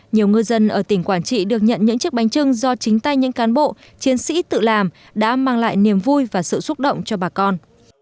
nhiều ngư dân ở tỉnh quảng trị được nhận những chiếc bánh trưng do chính tay những cán bộ chiến sĩ tự làm đã mang lại niềm vui và sự xúc động cho bà con